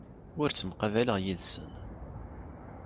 Ur ttemqabaleɣ yid-sen.